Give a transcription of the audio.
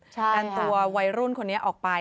กันตัววัยรุ่นคนนี้ออกไป